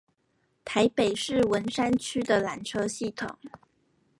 台北市文山區的纜車系統